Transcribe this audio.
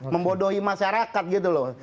membodohi masyarakat gitu loh